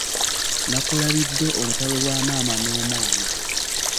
Nakulabidde olutalo lwa maama n'omwana.